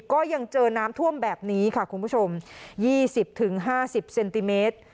ก็ยังเจอน้ำท่วมแบบนี้ค่ะคุณผู้ชมยี่สิบถึงห้าสิบเซนติเมตร